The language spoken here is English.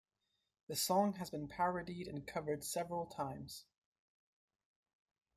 The song has been parodied and covered several times.